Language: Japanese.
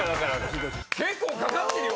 結構かかってるよ。